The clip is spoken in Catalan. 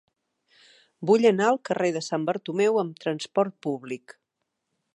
Vull anar al carrer de Sant Bartomeu amb trasport públic.